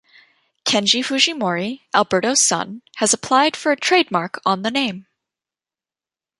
Kenji Fujimori, Alberto's son, has applied for a trademark on the name.